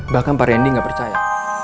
bahkan pak randy gak percaya